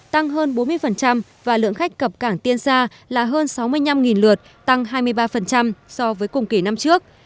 tăng hơn bốn mươi và lượng khách cập cảng tiên sa là hơn sáu mươi năm lượt tăng hai mươi ba so với cùng kỳ năm trước